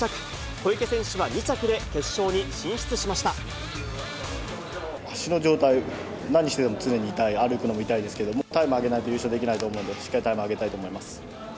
小池選手は２着で、決勝に進出し足の状態は、何をしていても常に痛い、歩くのも痛いですけども、タイム上げないと優勝できないと思うんで、しっかりタイム上げたいと思います。